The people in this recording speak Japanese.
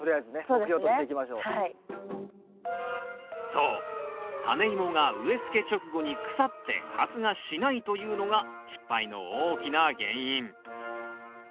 そうタネイモが植えつけ直後に腐って発芽しないというのが失敗の大きな原因。